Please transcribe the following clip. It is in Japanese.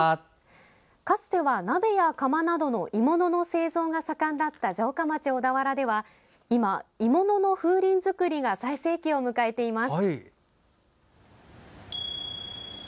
かつては鍋や釜などの鋳物の製造が盛んだった城下町・小田原では今鋳物の風鈴づくりが最盛期を迎えています。